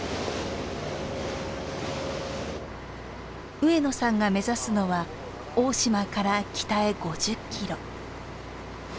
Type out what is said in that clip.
上野さんが目指すのは大島から北へ５０キロ。